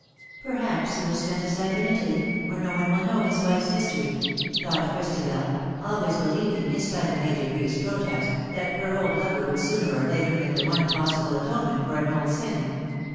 " Perhaps he will spend his life in Italy, where no one will know his wife's history/' thought Chris tabel, always believing, in spite of Major Bree's protest, that her old lover would sooner or later make the one possible atonement for an old sin.